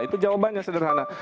itu jawabannya sederhana